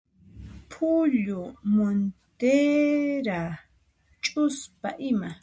Phullu, montera, chuspa ima